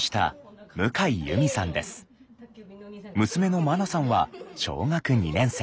娘のまなさんは小学２年生。